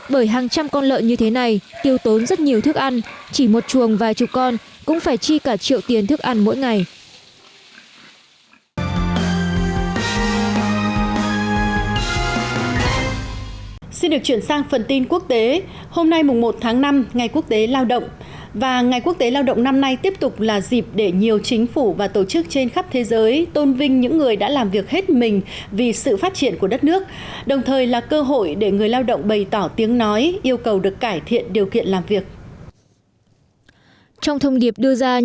bởi hàng trăm con lợn như thế này tiêu tốn rất nhiều thức ăn chỉ một chuồng vài chục con cũng phải chi cả triệu tiền thức ăn mỗi ngày